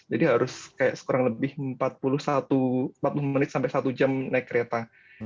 jadi harus kayak kurang lebih empat puluh menit sampai satu jam naik kereta